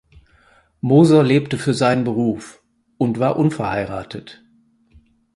Moser lebte für seinen Beruf und war unverheiratet.